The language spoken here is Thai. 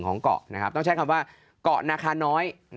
ของเกาะนะครับต้องใช้คำว่าเกาะนาคาน้อย